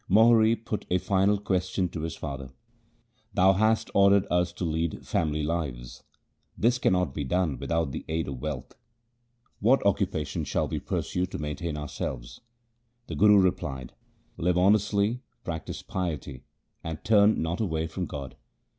Mohri put a final question to his father: 'Thou hast ordered us to lead family lives. This cannot be done without the aid of wealth. What occupa tion shall we pursue to maintain ourselves ?' The Guru replied, ' Live honestly, practise piety, and turn not away from God.